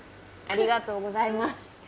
ありがとうございます。